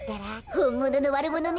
ほんもののわるものに。